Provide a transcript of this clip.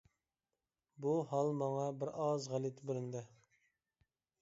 بۇ ھال ماڭا بىر ئاز غەلىتە بىلىندى.